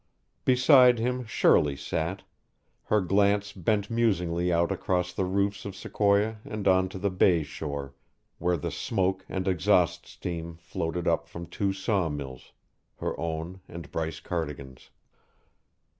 Beside him Shirley sat, her glance bent musingly out across the roofs of Sequoia and on to the bay shore, where the smoke and exhaust steam floated up from two sawmills her own and Bryce Cardigan's.